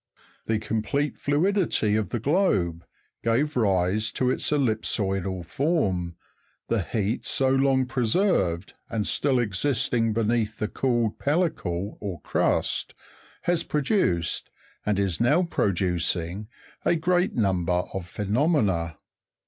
The complete fluidity of the globe gave rise to its ellipsoidal form : the heat so long pre served, and still existing beneath the cooled pellicle or crust, has produced, and is now producing a great number of phenomena.